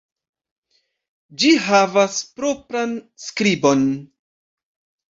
Ĝi havas propran skribon.